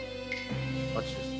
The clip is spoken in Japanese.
あっちです。